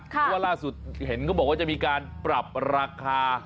เพราะว่าล่าสุดเห็นเขาบอกว่าจะมีการปรับราคา